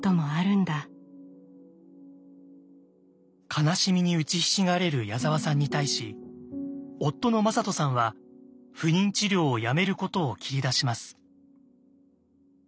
悲しみにうちひしがれる矢沢さんに対し夫の魔裟斗さんは不妊治療をやめることを切り出します。